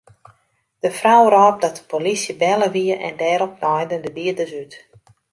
De frou rôp dat de polysje belle wie en dêrop naaiden de dieders út.